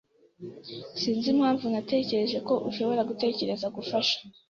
Sinzi impamvu natekereje ko ushobora gutekereza gufasha.